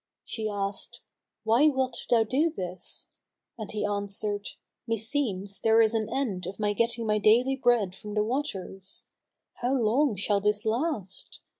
She asked, "Why wilt thou do this?"; and he answered, "Meseems there is an end of my getting my daily bread from the waters. How long shall this last?